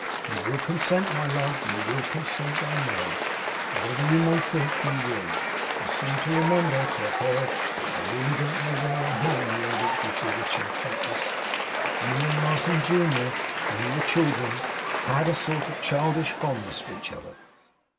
You will consent, my love; you will consent, I know. Whatever you may think; you will. I seem to remember to have heard I really don't know where, or how' he added, with bewitching frankness, 'that you and Martin junior, when you were children, had a sort of childish fondness for each other.